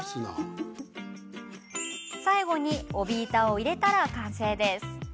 最後に帯板を入れたら完成です。